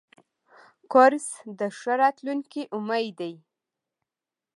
کورس د ښه راتلونکي امید دی.